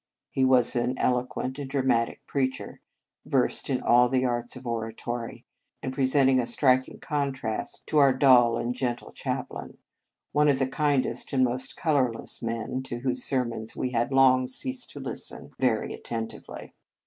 He was an eloquent and dramatic preacher, versed in all the arts of oratory, and presenting a strik ing contrast to our dull and gentle 80 in Retreat chaplain, one of the kindest and most colourless of men, to whose sermons we had long ceased to listen very at tentively.